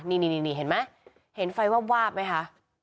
นี่เห็นไหมเห็นไฟวาบไหมคะ